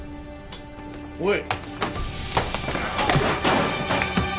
おい！